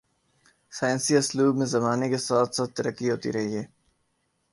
سائنسی اسلوب میں زمانے کے ساتھ ساتھ ترقی ہوتی رہی ہے